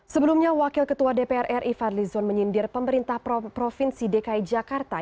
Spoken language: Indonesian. sebelumnya wakil ketua dpr ri fadli zon menyindir pemerintah provinsi dki jakarta